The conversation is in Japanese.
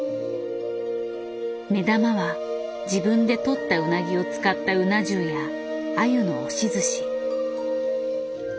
目玉は自分で取ったうなぎを使ったうな重やアユの押しずし。